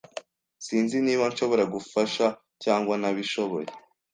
Sinzi niba nshobora gufasha cyangwa ntabishoboye.